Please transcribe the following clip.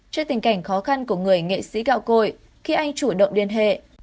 trước tình cảnh khó khăn của người nghệ sĩ gạo cội khi anh chủ động liên hệ